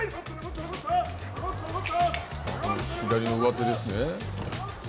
左の上手ですね。